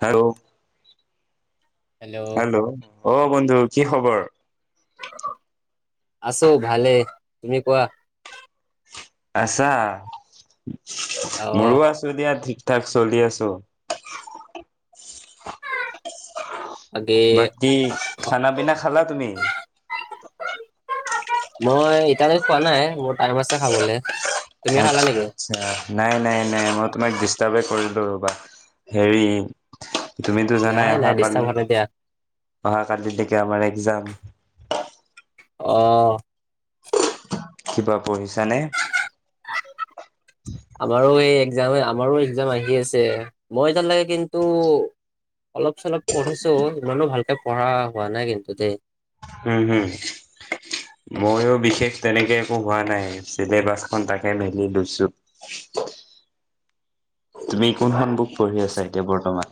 Hello, hello অ', বন্ধু কি খবৰ? আছো ভালে, তুমি কোৱা? আছা, অ মোৰো আছো দিয়া ঠিক ঠাক চলি আছো। বাকী বাকী খানা পিনা খালা তুমি? মই এতিয়ালৈকে খোৱা নাই, মোৰ টাইম আছে খাবলে। তুমি খালা আচ্ছা নেকি আচ্ছা। নাই নাই নাই, মই তোমাক ডিষ্টাৰ্বে কৰিলো ৰ'বা হেৰি তুমিতো জানাই নাই অহা নাই ডিষ্টাৰ্ব কালি, হোৱা নাই দিয়া অহা কালি লেকে আমাৰ এক্সাম। অ'। কিবা পঢ়িছানে? আমাৰো সেই এক্জাম, আমাৰো এক্জাম আহি আছে। মই এতিয়া লেকে কিন্তু অলপ চলপ পঢ়িছো, ইমানো ভালকে পঢ়া হোৱা নাই কিন্তু দেই। উম হম। ময়ো বিশেষ তেনেকে একো হোৱা নাই, চিলেবাছখন তাকে মেলি লৈছো। তুমি কোনখন বুক পঢ়ি আছা এতিয়া বৰ্তমান?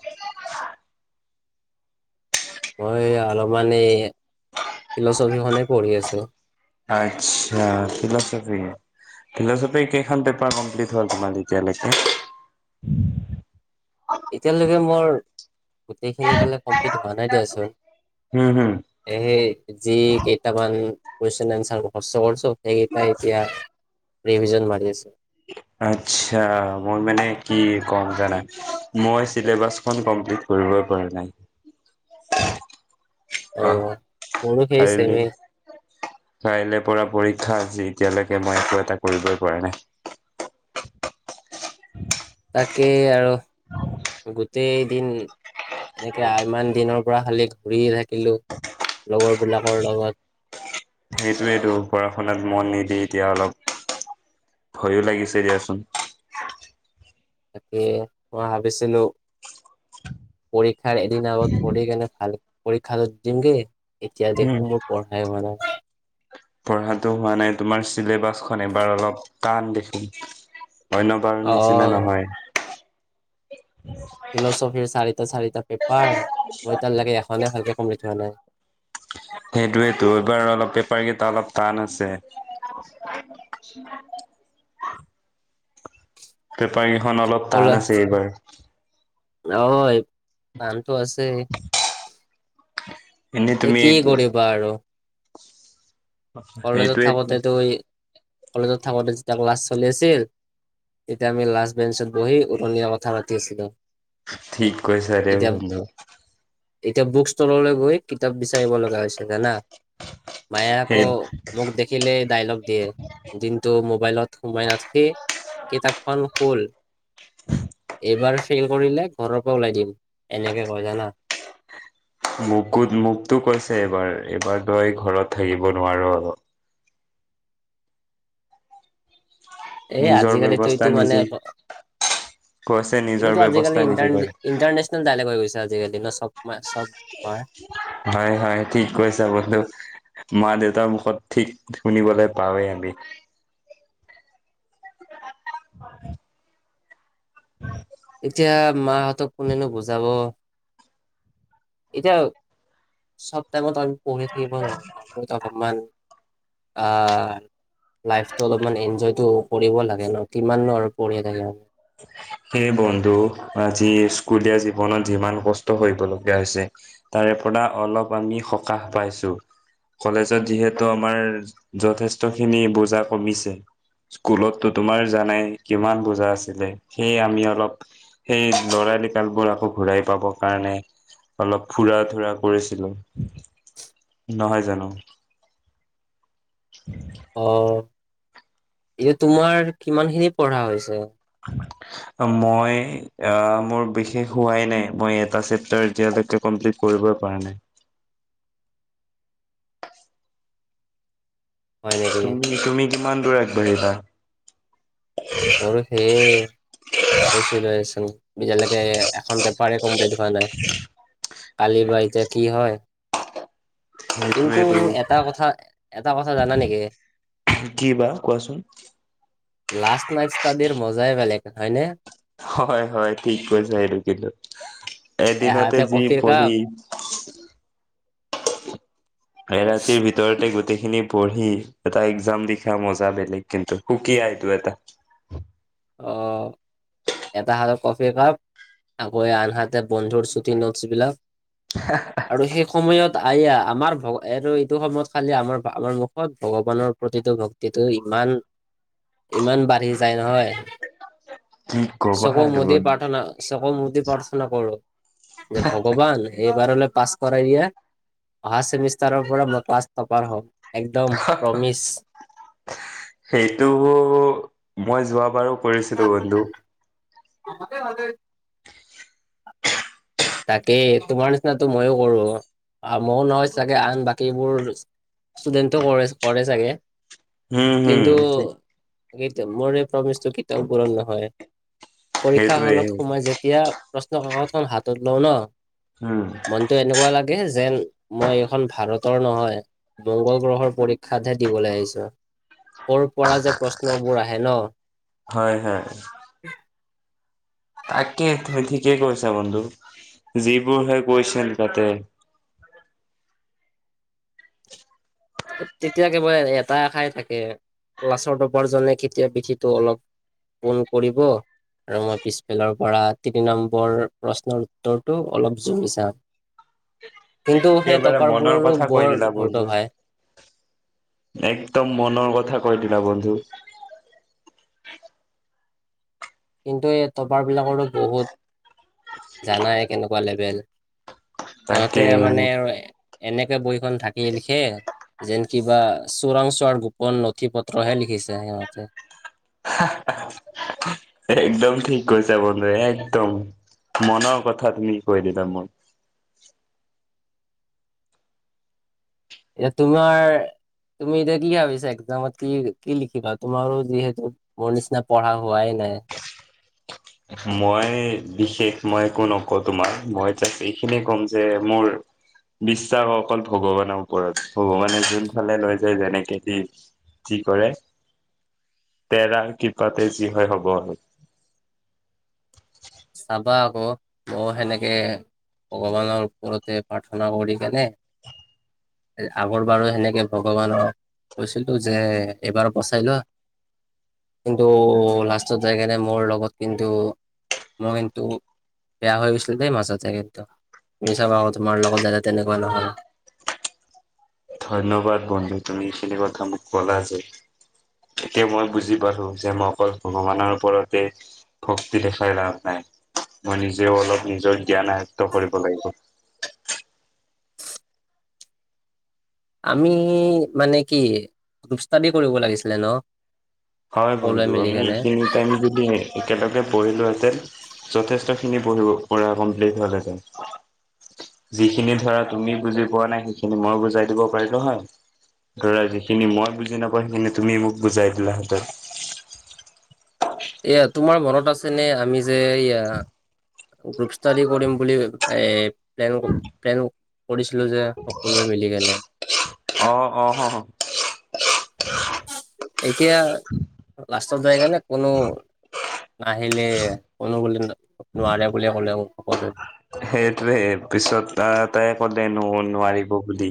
মই অলপমান এই ফিলচফি খনে পঢ়ি আছো। আচ্ছা ফিলচফি। ফিল'চফিৰ কেইখন পেপাৰ কমপ্লিট হ'ল তোমাৰ এতিয়ালৈকে? এতিয়ালৈকে মোৰ গোটেইখিনি এটিয়ালৈ কমপ্লিট হোৱা নাই দিয়াচোন। হুম, হুম। এ যি কেইটামান কুৱেশন এনচাৰ মূখস্ত কৰিছোঁ। সেইকেইটাই এতিয়া ৰিভিজন মাৰি আছোঁ। আচ্চা, মই মানে কি কম জানা মই চিলেবাচখন কপ্ম্লীত কৰিবই পৰা নাই। অ', মোৰো [unintelligible] সেই চেমে কাইলে পৰা পৰীক্ষা আজি এতিয়ালৈকে মই একো এটা কৰিবই পৰা নাই। তাকেই আৰু গোটেইদিন। তাকে আইমান দিনৰ পৰা খালি ঘূৰিয়ে থাকিলোঁ লগৰবিলাকৰ লগত। সেইটোৱেইেতটো পঢ়া শুনাত মন নিদি এতিয়া অলপ ভয়ো লাগিছে দিয়াচোন। তাকে মই ভাবিছিলোঁ। পৰীক্ষাৰ এদিন আগত পঢ়ি কেনে ভাল পৰীক্ষা টো দিমগে। এতিয়া হুম, দেখো মোৰ পঢ়াই হোৱা নাই। পঢ়াটো হোৱা নাই তোমাৰ চিলেবাছখন এবাৰ অলপ টান দেখি। অন্য বাৰৰ নিচিনা অ', নহয়। ফিলচফিৰ চাৰিটা চাৰিটা পেপাৰ মই তাৰলৈকে এখনে ভালকে কমপ্লিট হোৱা নাই। সেইটোয়েতো এইবাৰ অলপ পেপাৰ কেইটা অলপ টান আছে। অ। উ। পেপাৰ কেইখন অলপ কলে টান আছে এইবাৰ। অ এই পানটো আছে। এনেই এ তুমি কিয়ে কৰিবা আৰু। কলেজত সেইটোৱে থাকোতেতো এ কলেজত থাকোতে যেতিয়া ক্লাছ চলি আছিল। এতিয়া আমি লাষ্ট বেঞ্চত বহি উৰণীয়া কথা পাতি আছিলো। ঠিক কৈছা ৰে এতিয়া বন্ধু। এতিয়া বুক ষ্টললৈ গৈ কিতাপ বিচাৰিব লগা হৈছে জানা মায়ে সেই আকৌ। মোক দেখিলে ডাইলগ দিয়ে দিনটো মোবাইলত সোমাই নাথাকি। কিতাপখন হ'ল। এইবাৰ ফেইল কৰিলে ঘৰৰ পৰা ওলাই দিম এনেকে কয় জানা। মোকো মোকতো কৈছে এইবাৰ এইবাৰ তই ঘৰত থাকিব নোৱাৰো আৰু। এই নিজৰ আজিকালিতো ব্যৱস্থা এইটো মানে নিজেই আক কৈছে নিজৰ এইটোতো আজিকালি ব্যৱস্থা নিজে ইণ্টাৰনেটে। কৰে ইণ্টাৰনেশ্যনেল ডাইলেগ হৈ গৈছে আজিকালি চব ম চব মা। হয় হয় ঠিক কৈছা বন্ধু। মা- দেউতাৰ মুখত ঠিক শুনিবলৈ পাৱেই আমি। [unintelligible] উম। এতিয়া মাহঁতক কোনেনো বুজাব এতিয়া। সবটাইমত আমি পঢ়ি থাকিব নোৱাৰ আমি ত অলপমান। আ লাইফটো অলপমান ইনজয়টো। পঢ়িব লাগে ন কিমান নো পঢ়িয়ে থাকে আ। সেই বন্ধু আজি স্কুলীয়া জীৱনত যিমান কষ্ট কৰিব লগীয়া হৈছে। তাৰে পৰা অলপ আমি সকাহ পাইছোঁ। কলেজত যিহেতু আমাৰ যথেষ্ট খিনি বোজা কমিছে। স্কুলতো তোমাৰ জানাই কিমান বুজা আছিলে সেয়ে আমি অলপ। সেই ল'ৰাৰিকালবোৰ আকৌ ঘূৰাই পাবৰ কাৰণে। অলপ ফুৰা - ধূৰা কৰিছিলোঁ। নহয় জানোঁ। অ' এনেই তোমাৰ কিমান খিনি পঢ়া হৈছে। ধন্যবাদ। মই আহ' মোৰ বিশেষ হোৱাই নাই। মই এটা চেপতাৰ এতিয়া লৈকে। কমপ্লিট কৰিবই পৰা নাই। হয় নেকি তুমি, তুমি কিমান দূৰ আগ বাঢ়িবা। মোৰো সেইয়ে। কৈছিলে চোন এতিয়ালৈকে এখন পেপাৰ কমপ্লিট হোৱা নাই। কালি বা এতিয়া কি হয়? কিন্তু, সেইটোৱেটো এটা কথা এটা কথা জানা নেকি? কি বা কোৱাচোন? লাষ্ট নাইট ষ্টাডিৰ মজাই বেলেগ হয়নে? হয়, হয় ঠিক কৈছে এইটো। কিন্তু এদিনতে এহাতে যি কফিৰ কাপ পঢ়ি এৰাতিৰ ভিতৰতে গোটেইখিনি পঢ়ি এটা এক্সাম লিখা মজা বেলেগ কিন্তু, সুকীয়া এইটো এটা। অঁ এটা হাতে কফি কাপ, আকৌ আন হাতে বন্ধুৰ চুটি নোটছ বিলাক। হ [unintelligible] আৰু সেই সময়ত আয়া আমাৰ ভ আৰু এইটো সময়ত খালি আমাৰ আমাৰ মুখত ভগৱানৰ প্ৰতিটো ভক্তিটো ইমান ইমান বাঢ়ি যায় নহয়। কি কবা চকুৰ মুদি আৰু পাৰ্থনা চকু মোদী পাৰ্থনা কৰো। যে ভগৱান এইবাৰলে পাঁচ কৰাই দিয়া, অহা চেমিষ্টাৰৰ পৰা মই ক্লাষ্ট টপাৰ হম একদম প্ৰমিজ। সেইটো মই যোৱ বাৰো কৰিছিলো কিন্তু। ত'হতে আজি তাকেই, তোমাৰ নিচিনো টো মইয়ো কৰোঁ। মোৰো নহয় চাগৈ আন বাকীবোৰ ষ্টুডেণ্টটেও কৰে, কৰে চাগৈ? হম হম কিন্তু ঠিক এ মোৰ এই প্ৰমিচটো কেতিয়াও পূৰণ নহয়। পৰীক্ষা সেইটোৱে হলত সোমাই যেতিয়া প্ৰশ্নকাকতখন হাতত লওঁ ন উম। মনতটো এনেকুৱা লাগে যেন, মই এইখন ভাৰতৰ নহয়। মংগল গ্ৰহৰ পৰীক্ষাতহে দিবলৈ আহিছোঁ। ক'ৰ পৰা যে প্ৰশ্নবোৰ আহে ন? হয়, হয়। তাকে তুমি ঠিকেই কৈছা বন্ধু, যিবোৰহে কোৱেশ্যন কাটে। [unintelligible] তেতিয়া একেবাৰে এটা আশাই থাকে, ক্লাছৰ টপাৰজনে কেতিয়া পিঠিটো অলপ পোন কৰিব। আৰু মই পিছফালৰ পৰা তিনি নম্বৰ প্ৰশ্নৰ উত্তৰটো অলপ জুমি চাম। কিন্তু সেই একেবাৰে মনৰ টপাৰবোৰৰো কথা বৰ কৈ দিলা ধূৰ্ত বন্ধু। ভাই একদম মনৰ কথা কৈ দিলা ন বন্ধু। কিন্তু এই টপাৰ বিলাকৰো বহুত, জানাই কেনেকুৱা লেভেল। সিহঁতে তাকে মানে আৰু এনেকে বহিখন ধাকি লিখে। যেন কিবা চোৰাং চোৱাৰ গোপন নথি পত্ৰহে লিখিছে সিহঁতে। [unintelligible] একদম ঠিক কৈছা বন্ধু, একদম মনৰ কথা তুমি কৈ দিলা মোক। এতিয়া তোমাৰ, তুমি এতিয়া কি ভাবিছা এক্সামত কি কি লিখিবা? তোমাৰো যিহেতু মোৰ নিচিনা পঢ়া হোৱাই নাই? মই বিশেষ মই একো নকওঁ তোমাৰ, মই জাষ্ট এইখিনিয়ে কম যে মোৰ বিশ্বাস অকল ভগৱানৰ ওপৰত, ভগৱানে যোন ফালে লৈ যায় যেনেকে সি যি কৰে, তে'ৰৰ কৃপাতে যি হয় হব আৰু। চাবা আকৌ, মও সেনেকে ভগৱানৰ ওপৰতে প্ৰাৰ্থনা কৰি কেনে আগৰ বাৰু সেনেকে ভগৱানক কৈছিলো যে এইবাৰ বচাই লোৱা। কিন্তু, লাষ্টত যায়গনে মোৰ লগত কিন্তু মই কিন্তু বেয়া হৈ গৈছিল দেই মাজতে কিন্তু, তুমি চাবা আকৌ তোমাৰ লগত যাতে তেনেকুৱা নহয়। ধন্যবাদ বন্ধু তুমি এইখিনি কথা মোক ক'লা যে। এতিয়া মই বুজি পালো যে মই অকল ভগৱানৰ ওপৰতে ভক্তি দেখাই লাভ নাই, মই নিজেও অলপ নিজৰ জ্ঞান আয়ত্ত কৰিব লাগিব। আমি মানে কি গ্ৰুপ ষ্টাডি কৰিব লাগিছিলে ন'! হয়, সকলোৱে বন্ধু মিলি আমি কেনে এইখিনি টাইম যদি একেলগে পঢ়িলোহেঁতেন। যথেষ্ট খিনি পঢ়িব পৰা কমপ্লিট হ'লে হেতেন। যিখিনি ধৰা তুমি বুজি পোৱা নাই সেইখিনি মই বুজাই দিব পাৰিলো হয়। ধৰা যিখিনি মই বুজি নাপাওঁ সেইখিনি তুমি মোক বুজাই দিলাহেঁতেন। এয়া তোমাৰ মনত আছে নে ল, আমি যে এয়া গ্ৰুপ ষ্টাডি কৰিম বুলি। এ প্লেন প্লেন কৰিছিলো যে সকলোৱে মিলি কেনে? অ', অ', অ'। এতিয়া লাষ্টৰ যায় কেনে কোনো নাহিলে কোনো বো নোৱাৰে বুলিয়ে ক'লেও সকলোৱে। সেইটোৱে পিছত তাই ক'লে ন' নোৱাৰিব বুলি।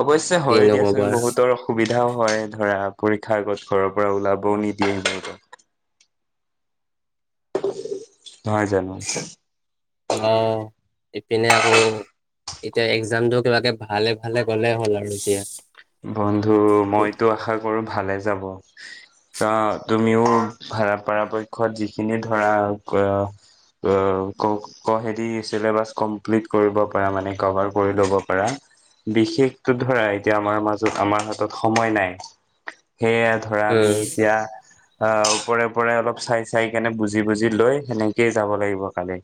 অৱশ্যে হয়ও কিনো দিয়াচোন ক'বা বহুতৰ অসুবিধাও হয়, ধৰা পৰীক্ষাৰ আগত ঘৰৰ পৰা ওলাবও নিদিয়ে সেনেকে। নহয় জানো? অ', ইপিনে আকৌ এতিয়া এক্জামটো কিবাকে ভালে ভালে গ'লেই হ'ল আৰু দিয়া। বন্ধু মইতো আশা কৰো ভালে যাব। আহ তুমিও পৰাপক্ষত যিখিনি ধৰা অ', ক কহেদি চিলেবাছ কমপ্লিট কৰিব পাৰা, মানে কভাৰ কৰি ল'ব পাৰা। বিশেষতো ধৰা এতিয়া আমাৰ মাজত আমাৰ হাতত সময় নাই, সেয়ে ধৰা আমি উম এতিয়া অ', ওপৰে ওপৰে অলপ চাই চাই কেনে বুজি বুজি লৈ সেনেকেই যাব লাগিব কালি।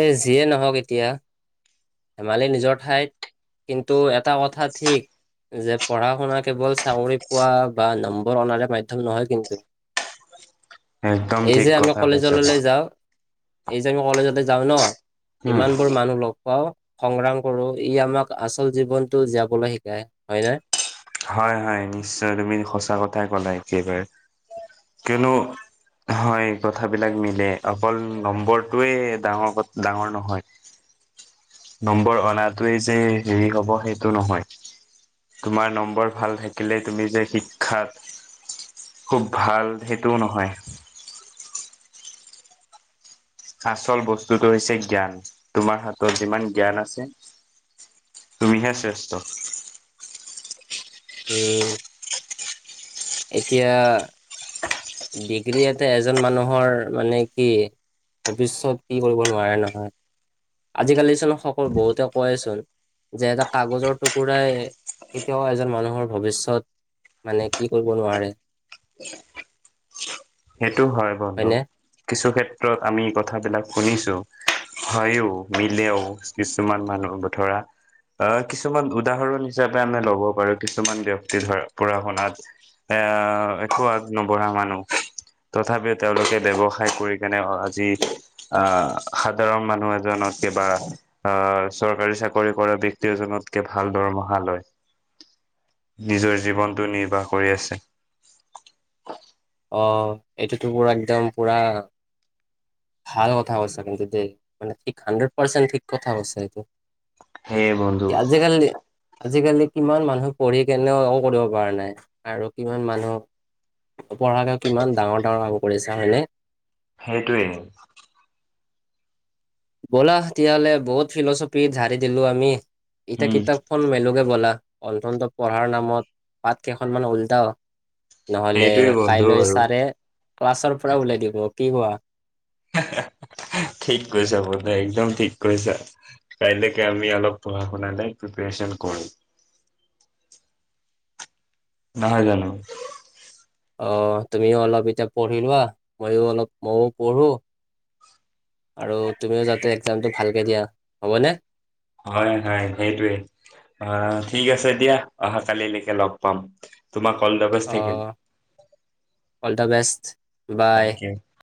এ যিয়ে নহওক এতিয়া, ধেমালি নিজৰ ঠাইত কিন্তু এটা কথা ঠিক। যে পঢ়া শুনা কেৱল চাকৰি পোৱা বা নম্বৰ অনাৰে মাধ্য়ম নহয় কিন্তু। [inaudible] একদম এই ঠিক যে আমি কথা কলেজ কৈছা ল'লে যাওঁ। এই যে আমি কলেজতে যাওঁ ন' উম, ইমান বোৰ মানুহ লগ পাও সংগ্ৰাম কৰোঁ, ই আমাক আচল জীৱনতটো জীয়াবলৈ শিকায় হয় নে? হয়, হয়, নিশ্চয় তুমি সঁচা কথাই ক'লা একেবাৰে, কিয়নো হয়, কথাবিলাক মিলে অকল নম্বৰটোৱে ডাঙৰ ক ডাঙৰ নহয়। নম্বৰ অনাটোৱে যে হেৰি হ'ব সেইটো নহয়। তোমাৰ নম্বৰ ভাল থাকিলে তুমি যে শিক্ষাত খুব ভাল সেইটোও নহয়। আচল বস্তুতটো হৈছে জ্ঞান, তোমাৰ হাতত যিমান জ্ঞান আছে। তুমিহে শ্ৰেষ্ঠ। উম। এতিয়া ডিগ্ৰী ইয়াতে এজন মানুহৰ মানে কি? ভৱিষ্যত কি কৰিব নোৱাৰে নহ, আজিকালি চোন সকলো বহুতে কয় চোন। যে এটা কাগজৰ টুকুৰাই কেতিয়াও এজন মানুহৰ ভৱিষ্যত মানে কি কৰিব নোৱাৰে। সেইটো হয় বন্ধু, হয়নে? কিছু ক্ষেত্ৰত আমি কথাবিলাক শুনিছোঁ। হয়ো মিলেও, কিছুমান মানুহৰ বতৰা। অহ, কিছুমান উদাহৰণ হিচাপে আমি ল'ব পাৰোঁ কিছুমান ব্যক্তি ধৰা পঢ়া -শুনাত। এ, একো আগনৱঢ়া মানুহ। তথাপিও তেওঁলোকে ব্যৱসায় কৰি কেনে আজি। আহ, সাধাৰণ মানুহ এজনক কিবা। অহ, চৰকাৰী চাকৰি কৰা ব্যক্তি এজনতকে ভাল দৰমহা লয়। নিজৰ জীৱনটো নিৰ্বাহ কৰি আছে। অহ, এইটোতো পুৰা একদম পুৰা। ভাল কথা কৈছা কিন্তু দেই, মানে ঠিক হাড্ৰেড পাৰ্চেণ্ট ঠিক কথা কৈছা এইটো। সেয়ে বন্ধু আজিকালি আজিকালি কিমান মানুহ পঢ়ি কিনেও একো কৰিব পৰা নাই, আৰু কিমান মানুহ নপঢ়াকেও কিমান ডাঙৰ, ডাঙৰ কাম কৰি আছে হয় নে। সেইটোৱেই। ব'লা তেতিয়াহ'লে বহুত ফিলচফি জাৰি দিলো আমি, এতিয়া উম কিতাপ খন মেলোগে বলা, অন্তত পঢ়াৰ নামত পাত কেইখনমান উল্টাও। নহলে সেইটোৱে বন্ধু কাইলৈ আৰু। ছাৰে ক্লাছৰ পৰা উলাই দিব কি কোৱা। ঠিক কৈছা বন্ধু, একদম ঠিক কৈছা। কাইলৈকে আমি অলপ পঢ়া-শুনা নাই প্ৰিপাৰচন কৰো। নহয় জানো। অহ, তুমিও অলপ এতিয়া পঢ়ি লোৱা মইও অলপ মইয়ো পঢ়ো। আৰু তুমিও যাতে এক্সামটো ভালকে দিয়া হ'বনে। হয়, হয় সেইটোৱে, অহ, ঠিক আছে দিয়া অহা কালিলৈকে লগ পাম। তোমাকো অলদাবেষ্টে থাকিল। All the best bye. Thank U.